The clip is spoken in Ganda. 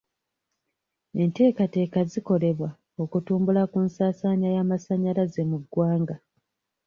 Enteekateeka zikolebwa okutumbula ku nsaasaanya y'amasanyalaze mu ggwanga.